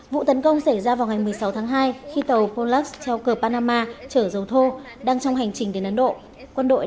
vụ tấn công xảy ra vào ngày một mươi sáu tháng hai khi tàu polux treo cờ panama chở dầu thô đang trong hành trình đến ấn độ